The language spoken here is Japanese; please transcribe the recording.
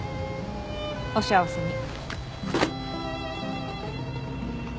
お幸せに。